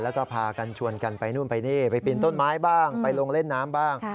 แล้วก็พากันชวนกันไปนู่นไปนี่ไปปีนต้นไม้บ้างไปลงเล่นน้ำบ้าง